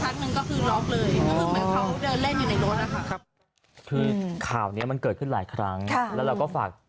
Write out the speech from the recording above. ตอนนั้นตอนนั้นแม่ไปซื้อข้าวใช่แม่ซื้อตรงนี้แหละครับ